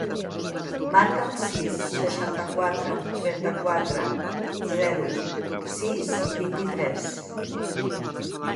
Marca el sis, seixanta-quatre, trenta-quatre, zero, sis, vint-i-tres.